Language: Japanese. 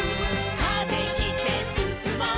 「風切ってすすもう」